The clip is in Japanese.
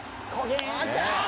よっしゃ！